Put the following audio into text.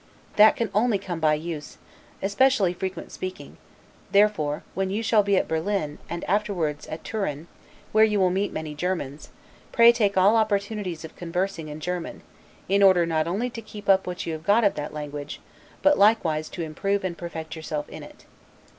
That can only come by use, especially frequent speaking; therefore, when you shall be at Berlin, and afterward at Turin, where you will meet many Germans, pray take all opportunities of conversing in German, in order not only to keep what you have got of that language, but likewise to improve and perfect yourself in it.